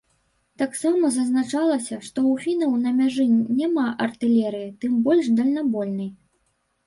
Таксама зазначалася, што ў фінаў на мяжы няма артылерыі, тым больш дальнабойнай.